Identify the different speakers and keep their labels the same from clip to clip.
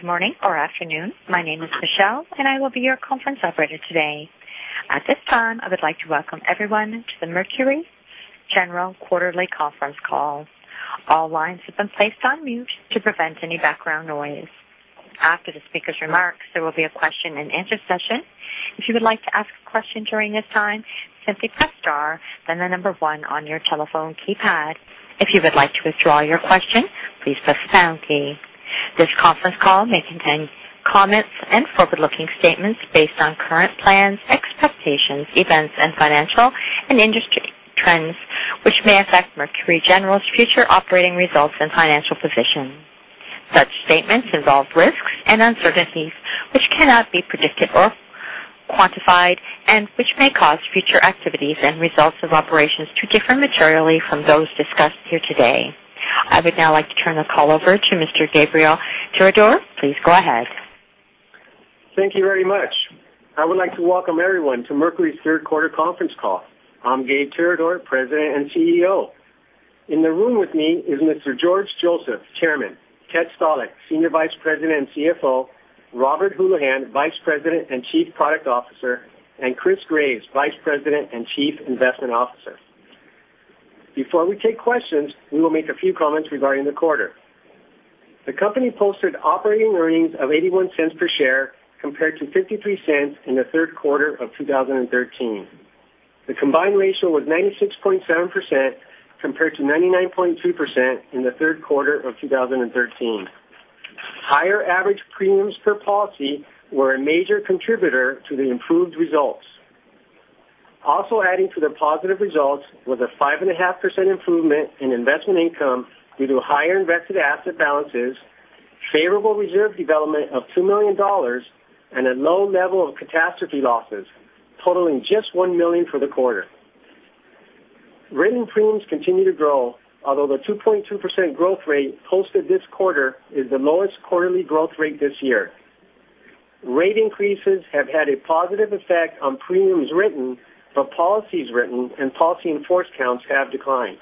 Speaker 1: Good morning or afternoon. My name is Michelle, and I will be your conference operator today. At this time, I would like to welcome everyone to the Mercury General quarterly conference call. All lines have been placed on mute to prevent any background noise. After the speaker's remarks, there will be a question and answer session. If you would like to ask a question during this time, simply press star, then the number 1 on your telephone keypad. If you would like to withdraw your question, please press pound key. This conference call may contain comments and forward-looking statements based on current plans, expectations, events, and financial and industry trends, which may affect Mercury General's future operating results and financial position. Such statements involve risks and uncertainties which cannot be predicted or quantified and which may cause future activities and results of operations to differ materially from those discussed here today. I would now like to turn the call over to Mr. Gabriel Tirador. Please go ahead.
Speaker 2: Thank you very much. I would like to welcome everyone to Mercury's third quarter conference call. I'm Gabe Tirador, President and CEO. In the room with me is Mr. George Joseph, Chairman, Ted Stalick, Senior Vice President and CFO, Robert Houlihan, Vice President and Chief Product Officer, and Chris Graves, Vice President and Chief Investment Officer. Before we take questions, we will make a few comments regarding the quarter. The company posted operating earnings of $0.81 per share compared to $0.53 in the third quarter of 2013. The combined ratio was 96.7% compared to 99.2% in the third quarter of 2013. Higher average premiums per policy were a major contributor to the improved results. Also adding to the positive results was a 5.5% improvement in investment income due to higher invested asset balances, favorable reserve development of $2 million and a low level of catastrophe losses totaling just $1 million for the quarter. Written premiums continue to grow, although the 2.2% growth rate posted this quarter is the lowest quarterly growth rate this year. Rate increases have had a positive effect on premiums written, but policies written and policy in force counts have declined.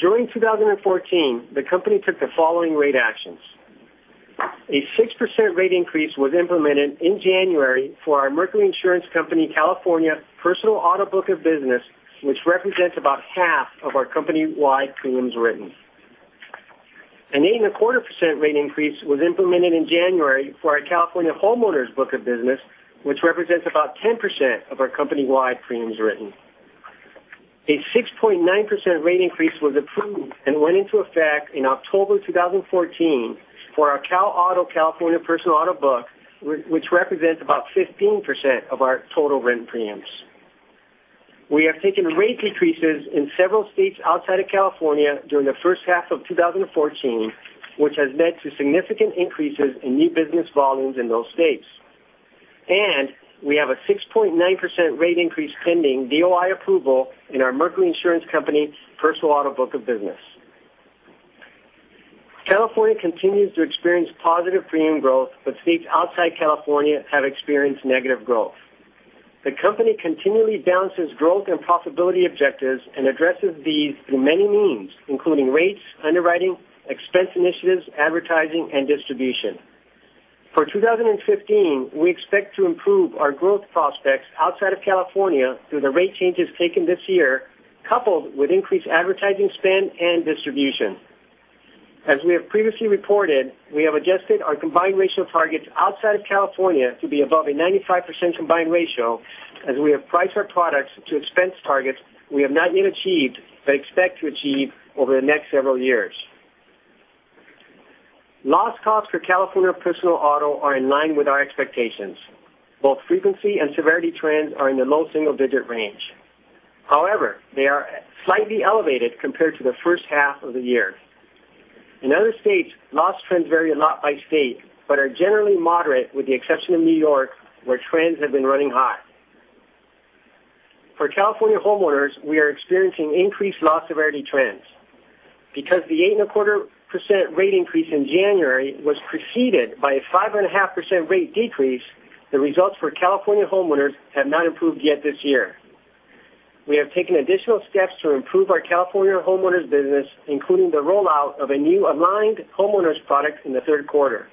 Speaker 2: During 2014, the company took the following rate actions. A 6% rate increase was implemented in January for our Mercury Insurance Company California personal auto book of business, which represents about half of our company-wide premiums written. An eight and a quarter percent rate increase was implemented in January for our California homeowners book of business, which represents about 10% of our company-wide premiums written. A 6.9% rate increase was approved and went into effect in October 2014 for our Cal Auto California personal auto book, which represents about 15% of our total written premiums. We have taken rate increases in several states outside of California during the first half of 2014, which has led to significant increases in new business volumes in those states. We have a 6.9% rate increase pending DOI approval in our Mercury Insurance Company personal auto book of business. California continues to experience positive premium growth. States outside California have experienced negative growth. The company continually balances growth and profitability objectives and addresses these through many means, including rates, underwriting, expense initiatives, advertising, and distribution. For 2015, we expect to improve our growth prospects outside of California through the rate changes taken this year, coupled with increased advertising spend and distribution. As we have previously reported, we have adjusted our combined ratio targets outside of California to be above a 95% combined ratio as we have priced our products to expense targets we have not yet achieved but expect to achieve over the next several years. Loss costs for California personal auto are in line with our expectations. Both frequency and severity trends are in the low single-digit range. They are slightly elevated compared to the first half of the year. In other states, loss trends vary a lot by state but are generally moderate, with the exception of New York, where trends have been running high. For California homeowners, we are experiencing increased loss severity trends. Because the eight and a quarter percent rate increase in January was preceded by a five and a half percent rate decrease, the results for California homeowners have not improved yet this year. We have taken additional steps to improve our California homeowners business, including the rollout of a new aligned homeowners product in the third quarter.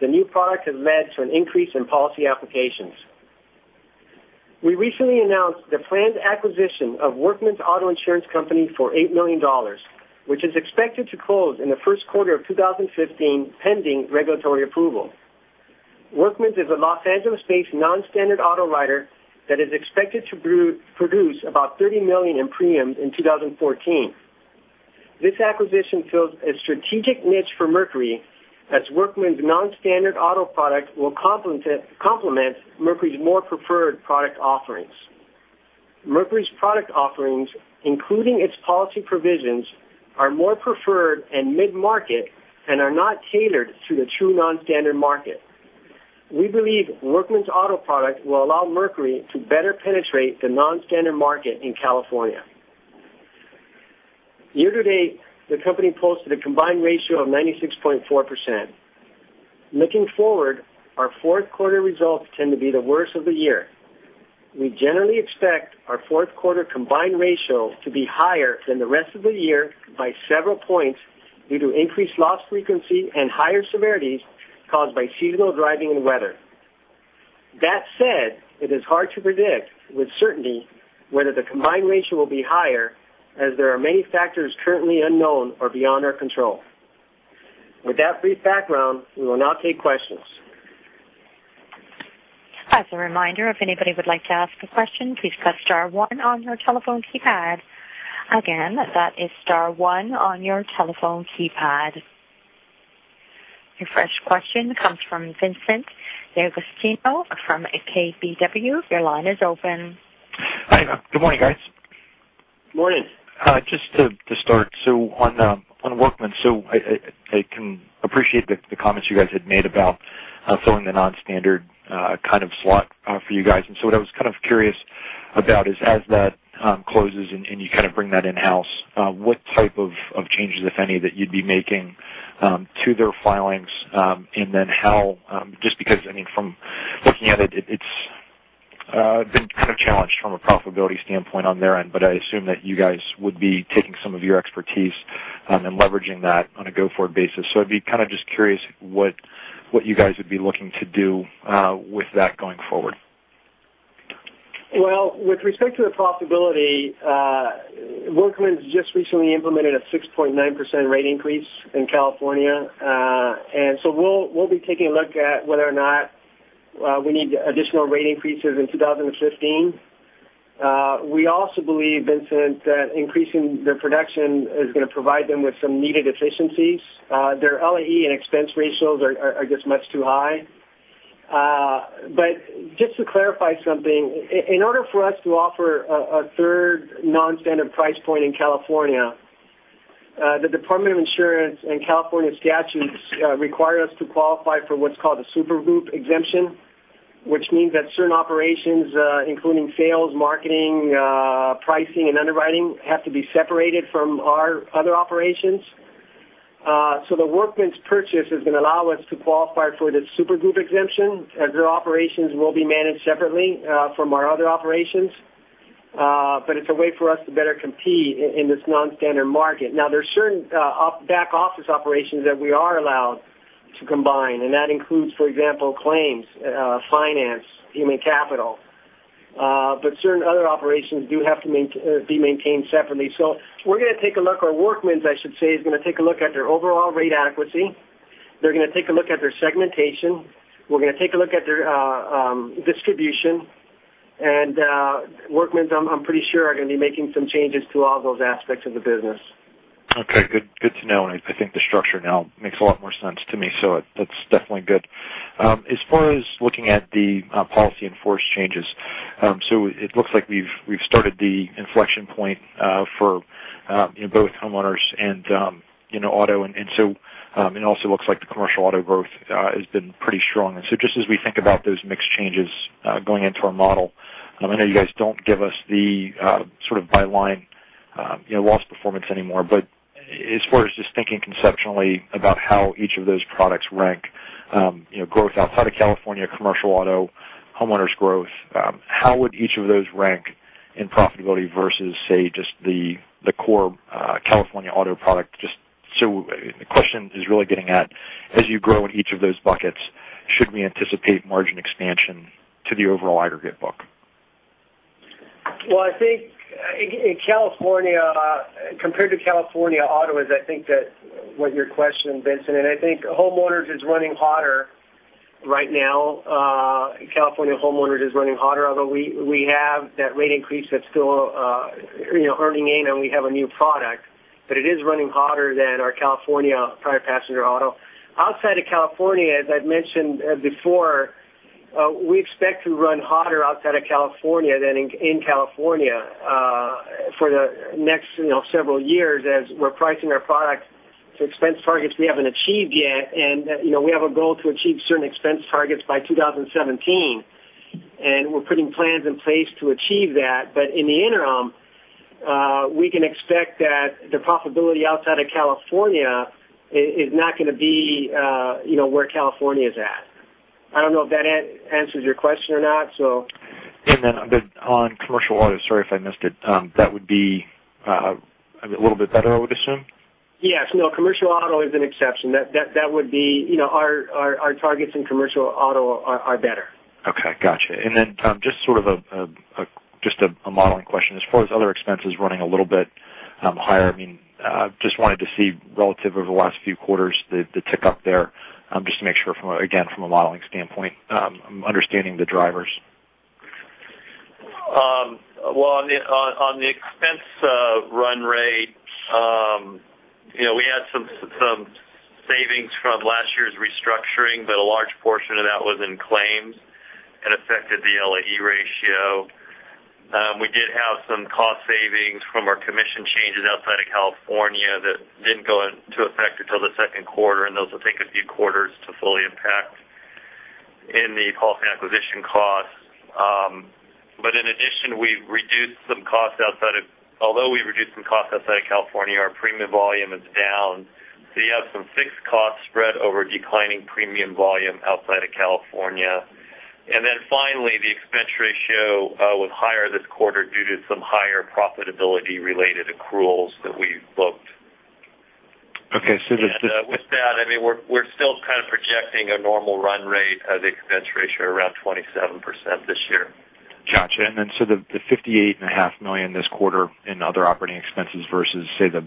Speaker 2: The new product has led to an increase in policy applications. We recently announced the planned acquisition of Workmen's Auto Insurance Company for $8 million, which is expected to close in the first quarter of 2015, pending regulatory approval. Workmen's is a L.A.-based non-standard auto writer that is expected to produce about $30 million in premiums in 2014. This acquisition fills a strategic niche for Mercury, as Workmen's non-standard auto product will complement Mercury's more preferred product offerings. Mercury's product offerings, including its policy provisions, are more preferred and mid-market and are not catered to the true non-standard market. We believe Workmen's auto product will allow Mercury to better penetrate the non-standard market in California. Year-to-date, the company posted a combined ratio of 96.4%. Looking forward, our fourth quarter results tend to be the worst of the year. We generally expect our fourth quarter combined ratio to be higher than the rest of the year by several points due to increased loss frequency and higher severities caused by seasonal driving and weather. That said, it is hard to predict with certainty whether the combined ratio will be higher, as there are many factors currently unknown or beyond our control. With that brief background, we will now take questions.
Speaker 1: As a reminder, if anybody would like to ask a question, please press star one on your telephone keypad. Again, that is star one on your telephone keypad. Your first question comes from Vincent D'Agostino from KBW. Your line is open.
Speaker 3: Hi. Good morning, guys.
Speaker 2: Morning.
Speaker 3: Just to start, so on Workmen's, so I can appreciate the comments you guys had made about filling the non-standard kind of slot for you guys. What I was kind of curious about is as that closes and you kind of bring that in-house, what type of changes, if any, that you'd be making to their filings, and then how, just because from looking at it's been kind of challenged from a profitability standpoint on their end, but I assume that you guys would be taking some of your expertise and leveraging that on a go-forward basis. I'd be kind of just curious what you guys would be looking to do with that going forward.
Speaker 2: Well, with respect to the profitability, Workmen's just recently implemented a 6.9% rate increase in California. We'll be taking a look at whether or not we need additional rate increases in 2015. We also believe, Vincent, that increasing their production is going to provide them with some needed efficiencies. Their LAE and expense ratios are just much too high. Just to clarify something, in order for us to offer a third non-standard price point in California, the Department of Insurance and California statutes require us to qualify for what's called a super group exemption, which means that certain operations, including sales, marketing, pricing, and underwriting, have to be separated from our other operations. The Workmen's purchase is going to allow us to qualify for this super group exemption. Their operations will be managed separately from our other operations. It's a way for us to better compete in this non-standard market. Now, there's certain back-office operations that we are allowed to combine, that includes, for example, claims, finance, human capital. Certain other operations do have to be maintained separately. We're going to take a look. Our Workmen's, I should say, is going to take a look at their overall rate adequacy. They're going to take a look at their segmentation. We're going to take a look at their distribution. Workmen's, I'm pretty sure, are going to be making some changes to all those aspects of the business.
Speaker 3: Okay. Good to know. I think the structure now makes a lot more sense to me, that's definitely good. As far as looking at the policy in force changes, it looks like we've started the inflection point for both homeowners and auto. It also looks like the commercial auto growth has been pretty strong. Just as we think about those mix changes going into our model, I know you guys don't give us the sort of by-line loss performance anymore. As far as just thinking conceptually about how each of those products rank, growth outside of California, commercial auto, homeowners growth, how would each of those rank in profitability versus, say, just the core California auto product? The question is really getting at, as you grow in each of those buckets, should we anticipate margin expansion to the overall aggregate book?
Speaker 2: Well, I think compared to California auto is I think what your question, Vincent. I think homeowners is running hotter right now. California homeowners is running hotter, although we have that rate increase that's still earning in, we have a new product. It is running hotter than our California private passenger auto. Outside of California, as I've mentioned before, we expect to run hotter outside of California than in California for the next several years as we're pricing our product to expense targets we haven't achieved yet. We have a goal to achieve certain expense targets by 2017, we're putting plans in place to achieve that. In the interim, we can expect that the profitability outside of California is not going to be where California's at. I don't know if that answers your question or not.
Speaker 3: On commercial auto, sorry if I missed it, that would be a little bit better, I would assume?
Speaker 2: Yes. No, commercial auto is an exception. Our targets in commercial auto are better.
Speaker 3: Okay. Got you. Just a modeling question. As far as other expenses running a little bit higher, just wanted to see relative over the last few quarters, the tick up there, just to make sure from, again, from a modeling standpoint, I'm understanding the drivers.
Speaker 2: On the expense run rate, we had some savings from last year's restructuring, a large portion of that was in claims and affected the LAE ratio. We did have some cost savings from our commission changes outside of California that didn't go into effect until the second quarter, those will take a few quarters to fully impact in the policy acquisition costs. In addition, although we reduced some costs outside of California, our premium volume is down
Speaker 4: You have some fixed costs spread over declining premium volume outside of California. Finally, the expense ratio was higher this quarter due to some higher profitability related accruals that we've booked.
Speaker 3: Okay.
Speaker 4: With that, we're still kind of projecting a normal run rate as expense ratio around 27% this year.
Speaker 3: Got you. The $58.5 million this quarter in other operating expenses versus, say, the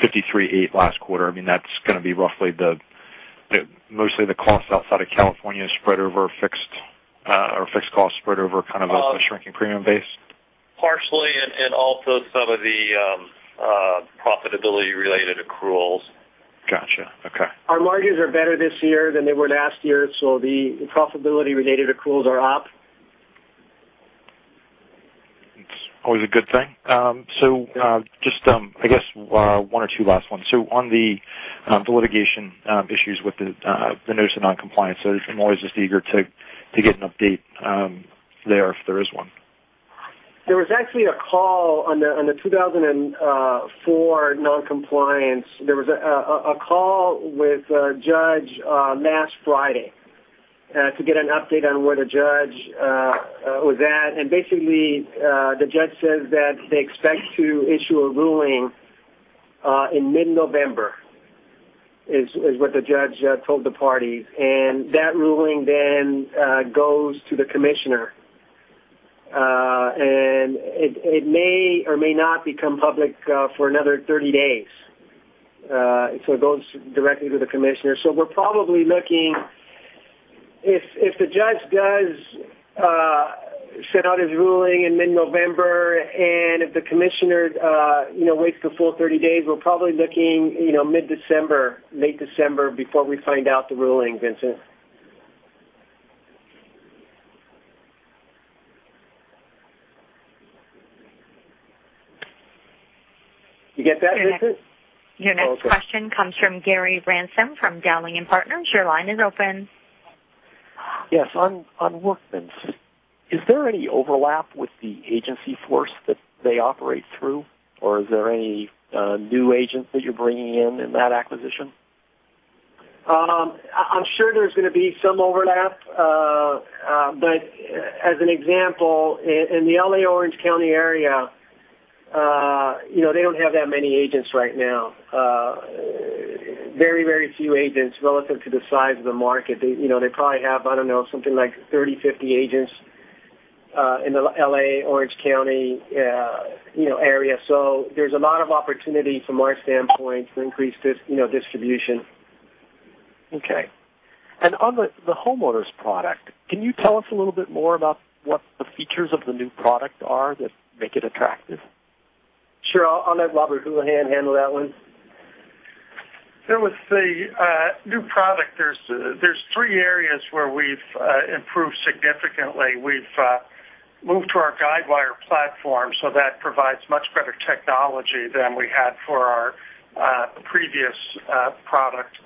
Speaker 3: $53.8 million last quarter, that's going to be roughly mostly the costs outside of California spread over fixed costs spread over kind of a shrinking premium base?
Speaker 4: Partially, also some of the profitability related accruals.
Speaker 3: Got you. Okay.
Speaker 4: Our margins are better this year than they were last year, the profitability related accruals are up.
Speaker 3: It's always a good thing. Just, I guess one or two last ones. On the litigation issues with the Notice of Non-Compliance, I'm always just eager to get an update there if there is one.
Speaker 2: There was actually a call on the 2004 non-compliance. There was a call with a judge last Friday to get an update on where the judge was at. Basically, the judge says that they expect to issue a ruling in mid-November, is what the judge told the parties. That ruling then goes to the commissioner. It may or may not become public for another 30 days. It goes directly to the commissioner. We're probably looking, if the judge does send out his ruling in mid-November, and if the commissioner waits the full 30 days, we're probably looking mid-December, late December before we find out the ruling, Vincent. You get that, Vincent?
Speaker 1: Your next question comes from Gary Ransom, from Dowling & Partners. Your line is open.
Speaker 5: Yes. On Workmen's, is there any overlap with the agency force that they operate through, or is there any new agents that you're bringing in in that acquisition?
Speaker 2: I'm sure there's going to be some overlap. As an example, in the L.A. Orange County area they don't have that many agents right now. Very, very few agents relative to the size of the market. They probably have, I don't know, something like 30, 50 agents in the L.A. Orange County area. There's a lot of opportunity from our standpoint to increase distribution.
Speaker 5: Okay. On the homeowners product, can you tell us a little bit more about what the features of the new product are that make it attractive?
Speaker 4: Sure. I'll let Robert Houlihan handle that one.
Speaker 6: With the new product, there's three areas where we've improved significantly. We've moved to our Guidewire platform, that provides much better technology than we had for our previous product.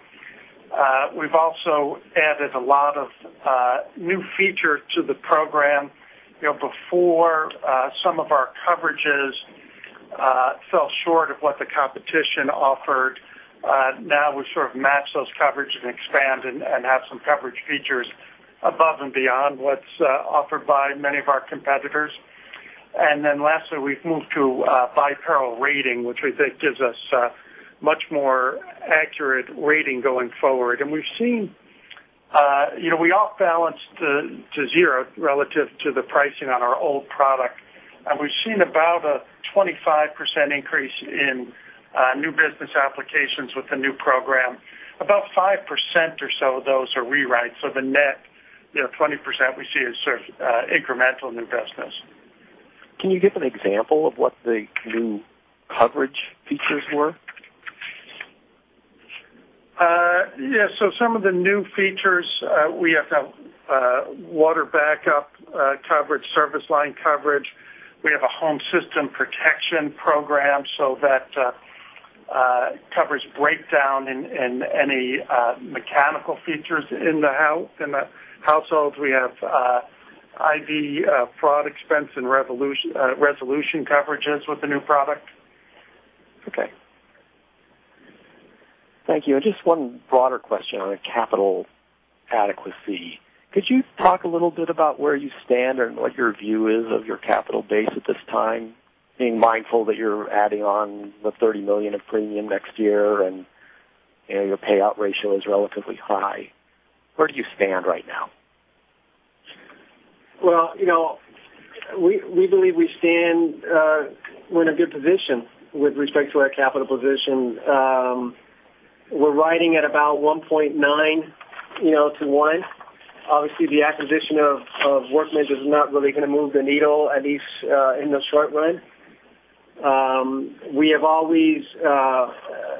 Speaker 6: We've also added a lot of new feature to the program. Before, some of our coverages fell short of what the competition offered. Now we sort of match those coverage and expand and have some coverage features above and beyond what's offered by many of our competitors. Lastly, we've moved to by-peril rating, which we think gives us a much more accurate rating going forward. We've seen we off-balanced to zero relative to the pricing on our old product. We've seen about a 25% increase in new business applications with the new program. About 5% or so of those are rewrites. The net 20% we see is sort of incremental new business.
Speaker 5: Can you give an example of what the new coverage features were?
Speaker 6: Yes. Some of the new features, we have water backup coverage, service line coverage. We have a Home Systems Protection program, that covers breakdown in any mechanical features in the household. We have Identity Fraud Expense and resolution coverages with the new product.
Speaker 5: Okay. Thank you. Just one broader question on capital adequacy. Could you talk a little bit about where you stand or what your view is of your capital base at this time, being mindful that you're adding on the $30 million of premium next year and your payout ratio is relatively high. Where do you stand right now?
Speaker 2: We believe we stand, we're in a good position with respect to our capital position. We're riding at about 1.9 to one. Obviously, the acquisition of Workmen's is not really going to move the needle, at least in the short run. We have always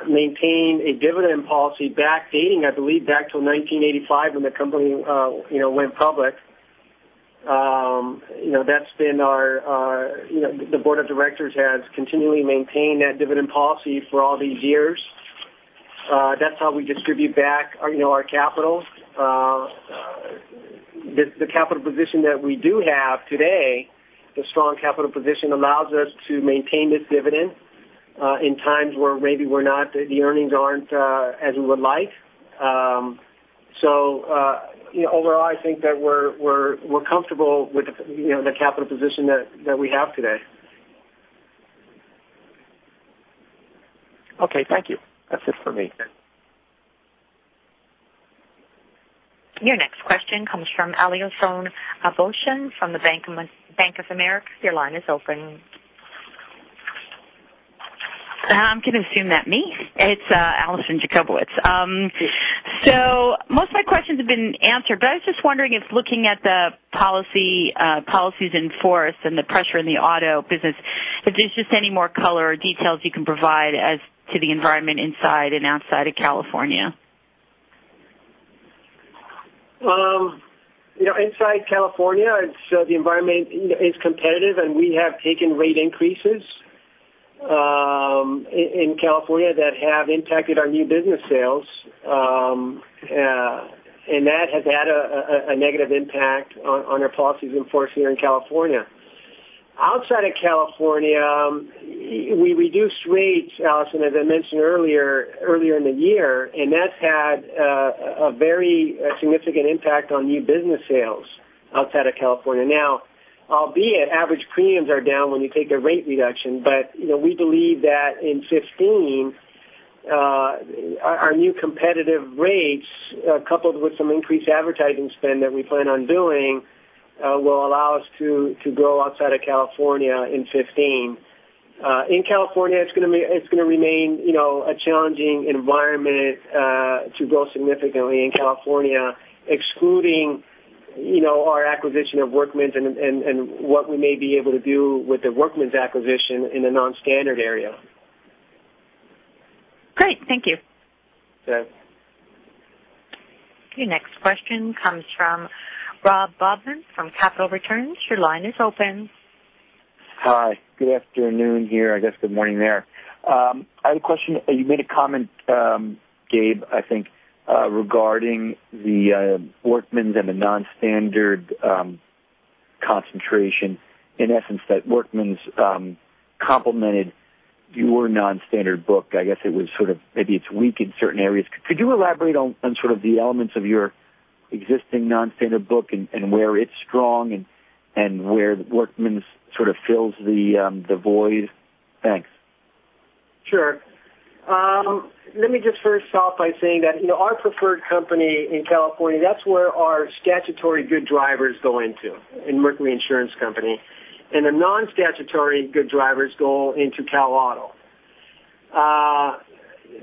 Speaker 2: maintained a dividend policy backdating, I believe back to 1985, when the company went public. The board of directors has continually maintained that dividend policy for all these years. That's how we distribute back our capital. The capital position that we do have today
Speaker 4: The strong capital position allows us to maintain this dividend in times where maybe the earnings aren't as we would like. Overall, I think that we're comfortable with the capital position that we have today.
Speaker 5: Okay, thank you. That's it for me.
Speaker 1: Your next question comes from Allison Jacobowitz from Bank of America. Your line is open.
Speaker 7: It's Allison Jacobowitz. Most of my questions have been answered, but I was just wondering if looking at the policies in force and the pressure in the auto business, if there's just any more color or details you can provide as to the environment inside and outside of California.
Speaker 2: Inside California, the environment is competitive, we have taken rate increases in California that have impacted our new business sales. That has had a negative impact on our policies in force here in California. Outside of California, we reduced rates, Allison, as I mentioned earlier in the year, that's had a very significant impact on new business sales outside of California. Albeit average premiums are down when you take a rate reduction, we believe that in 2015, our new competitive rates, coupled with some increased advertising spend that we plan on doing, will allow us to grow outside of California in 2015. In California, it's going to remain a challenging environment to grow significantly in California, excluding our acquisition of Workmen's and what we may be able to do with the Workmen's acquisition in a non-standard area.
Speaker 7: Great. Thank you.
Speaker 2: Sure.
Speaker 1: Your next question comes from Ron Bobman from Capital Returns. Your line is open.
Speaker 8: Hi, good afternoon here. I guess good morning there. I had a question. You made a comment, Gabe, I think regarding the Workmen's and the non-standard concentration, in essence, that Workmen's complemented your non-standard book. I guess maybe it's weak in certain areas. Could you elaborate on sort of the elements of your existing non-standard book and where it's strong and where Workmen's sort of fills the void? Thanks.
Speaker 2: Sure. Let me just first start by saying that our preferred company in California, that's where our statutory good drivers go into, in Mercury Insurance Company, and the non-statutory good drivers go into Cal Auto.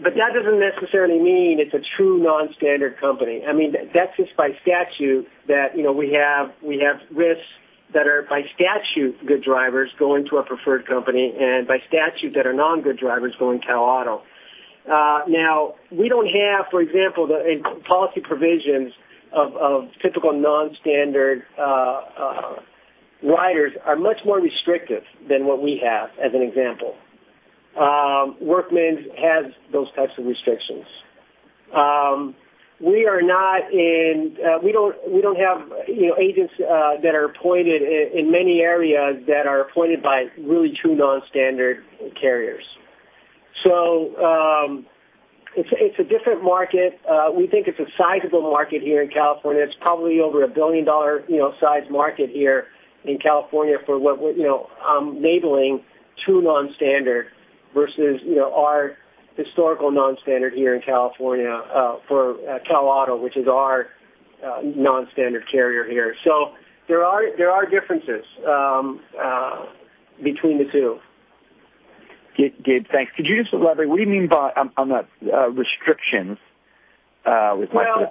Speaker 2: That doesn't necessarily mean it's a true non-standard company. That's just by statute that we have risks that are by statute good drivers go into a preferred company, and by statute that are non-good drivers go in Cal Auto. Now, we don't have, for example, the policy provisions of typical non-standard riders are much more restrictive than what we have as an example. Workmen's has those types of restrictions. We don't have agents that are appointed in many areas that are appointed by really true non-standard carriers. It's a different market. We think it's a sizable market here in California. It's probably over a billion-dollar size market here in California for what I'm labeling true non-standard versus our historical non-standard here in California for Cal Auto, which is our non-standard carrier here. There are differences between the two.
Speaker 8: Gabe, thanks. Could you just elaborate what you mean by on that restrictions with my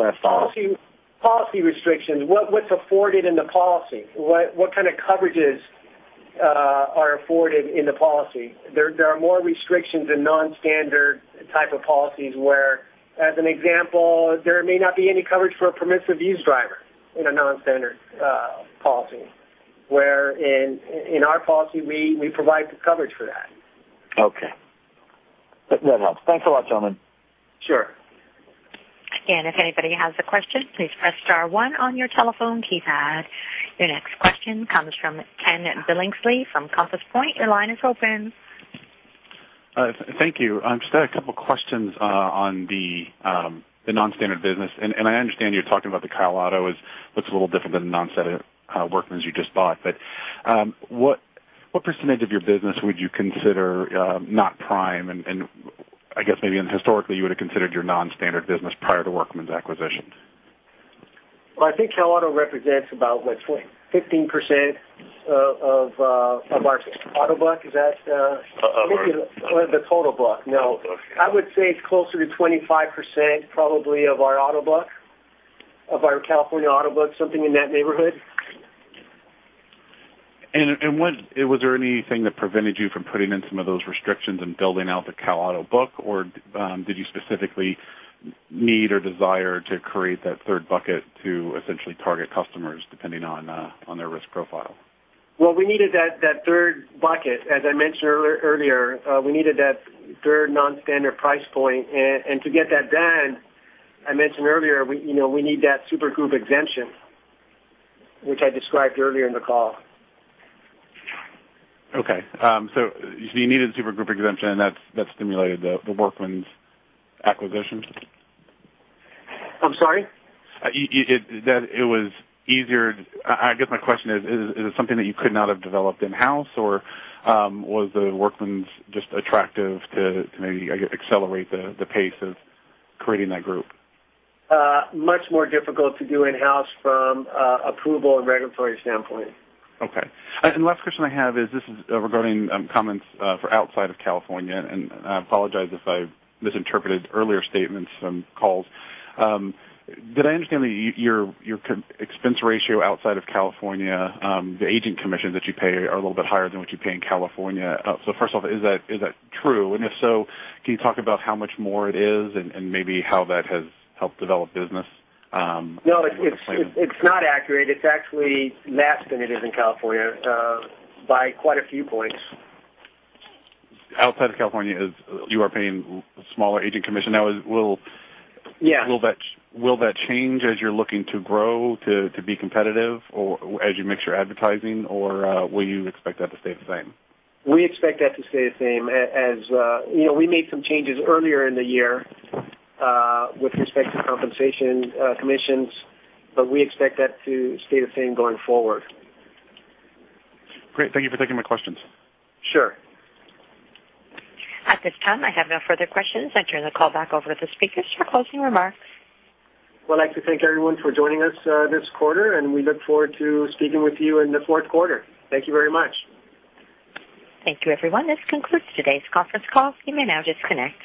Speaker 8: first follow-up?
Speaker 2: Policy restrictions. What's afforded in the policy. What kind of coverages are afforded in the policy. There are more restrictions in non-standard type of policies where, as an example, there may not be any coverage for a permissive use driver in a non-standard policy. Where in our policy, we provide the coverage for that.
Speaker 8: Okay. That helps. Thanks a lot, gentlemen.
Speaker 2: Sure.
Speaker 1: Again, if anybody has a question, please press star one on your telephone keypad. Your next question comes from Ken Billingsley from Compass Point. Your line is open.
Speaker 9: Thank you. I just had a couple questions on the non-standard business, I understand you're talking about the Cal Auto as what's a little different than Workman's you just bought. What % of your business would you consider not prime? I guess maybe historically you would have considered your non-standard business prior to Workman's acquisition.
Speaker 2: Well, I think Cal Auto represents about, what, 15% of our auto book. Is that?
Speaker 4: Of our.
Speaker 2: The total book. No.
Speaker 4: Total book. I would say it's closer to 25%, probably of our auto book, of our California auto book, something in that neighborhood.
Speaker 9: Was there anything that prevented you from putting in some of those restrictions and building out the Cal Auto book, or did you specifically need or desire to create that third bucket to essentially target customers depending on their risk profile?
Speaker 2: We needed that third bucket. As I mentioned earlier, we needed that third non-standard price point. To get that done I mentioned earlier, we need that super group exemption, which I described earlier in the call.
Speaker 9: You needed the super group exemption and that stimulated the Workmen's acquisition?
Speaker 2: I'm sorry?
Speaker 9: I guess my question is it something that you could not have developed in-house, or was the Workmen's just attractive to maybe accelerate the pace of creating that group?
Speaker 2: Much more difficult to do in-house from approval and regulatory standpoint.
Speaker 9: Okay. The last question I have is regarding comments for outside of California, and I apologize if I've misinterpreted earlier statements from calls. Did I understand that your expense ratio outside of California, the agent commissions that you pay are a little bit higher than what you pay in California? First off, is that true? If so, can you talk about how much more it is and maybe how that has helped develop business?
Speaker 2: No, it's not accurate. It's actually less than it is in California, by quite a few points.
Speaker 9: Outside of California, you are paying smaller agent commission.
Speaker 2: Yeah
Speaker 9: will that change as you're looking to grow to be competitive or as you mix your advertising or will you expect that to stay the same?
Speaker 2: We expect that to stay the same. We made some changes earlier in the year with respect to compensation commissions, but we expect that to stay the same going forward.
Speaker 9: Great. Thank you for taking my questions.
Speaker 2: Sure.
Speaker 1: At this time, I have no further questions. I turn the call back over to the speakers for closing remarks.
Speaker 2: We'd like to thank everyone for joining us this quarter, and we look forward to speaking with you in the fourth quarter. Thank you very much.
Speaker 1: Thank you, everyone. This concludes today's conference call. You may now disconnect.